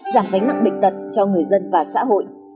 giảm gánh nặng bệnh tật cho người dân và xã hội